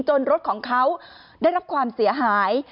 รถของเขาได้รับความเสียหาย